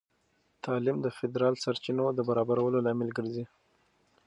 تعلیم د فیدرال سرچینو د برابرولو لامل ګرځي.